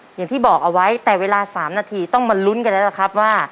อย่างที่บอกเอาไว้แต่เวลา๓นาทีต้องมาลุ้นกันแล้วนะครับว่า